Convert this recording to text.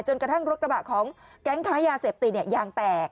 จนกระทั่งรถละบะของกลั้งค้ายาเสพติยางแตก